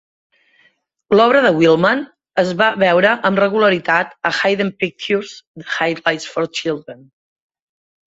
L'obra de Wildman es va veure amb regularitat a Hidden Pictures de Highlights for Children.